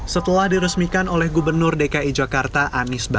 setelah diresmikan oleh gubernur dki jakarta anies baswedan